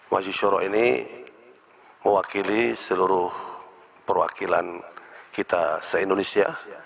majelis shuro ini mewakili seluruh perwakilan kita se indonesia